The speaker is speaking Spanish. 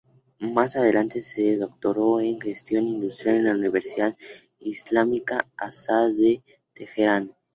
Más adelante se doctoró en Gestión industrial en la Universidad Islámica Azad de Teherán.